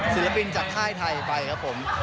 ศิลปินจากค่ายไทยไปครับผม